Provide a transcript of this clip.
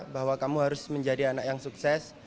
bahwa kamu harus menjadi anak yang sukses